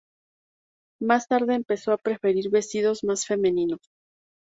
Más tarde, empezó a preferir vestidos más femeninos.